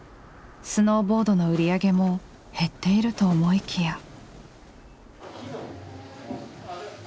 スノーボードの売り上げも減っていると思いきや。